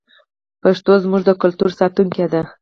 پښتو زموږ د کلتور ساتونکې ده.